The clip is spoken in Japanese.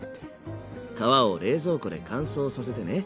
皮を冷蔵庫で乾燥させてね。